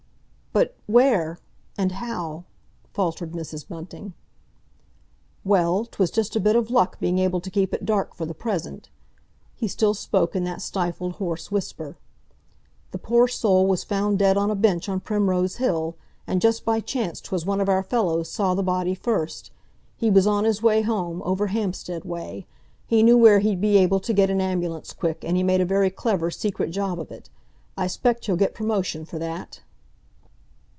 "But where—and how?" faltered Mrs. Bunting. "Well, 'twas just a bit of luck being able to keep it dark for the present"—he still spoke in that stifled, hoarse whisper. "The poor soul was found dead on a bench on Primrose Hill. And just by chance 'twas one of our fellows saw the body first. He was on his way home, over Hampstead way. He knew where he'd be able to get an ambulance quick, and he made a very clever, secret job of it. I 'spect he'll get promotion for that!"